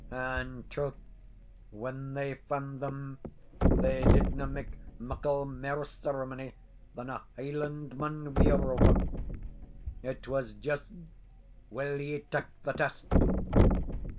And, troth, when they fand them, they didna make muckle mair ceremony than a Hielandman wi' a roebuck. It was just, "Will ye tak' the test?"